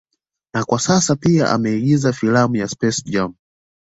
Na kwa sasa pia ameigiza filamu ya SpaceJam